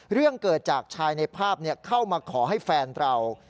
เรื่องเกิดจากชายในภาพเข้ามาขอให้แฟนเรา